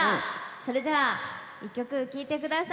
それでは１曲聴いてください。